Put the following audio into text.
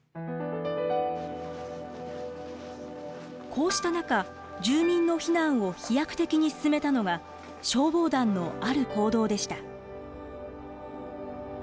こうした中住民の避難を飛躍的に進めたのが消防団のある行動でした。